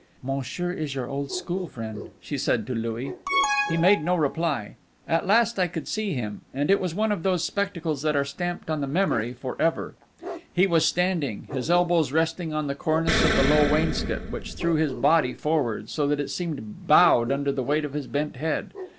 "Monsieur is your old school friend," she said to Louis. He made no reply. At last I could see him, and it was one of those spectacles that are stamped on the memory for ever. He was standing, his elbows resting on the cornice of the low wainscot, which threw his body forward, so that it seemed bowed under the weight of his bent head.